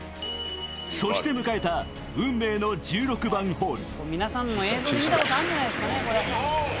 そして迎えた運命の１６番ホール。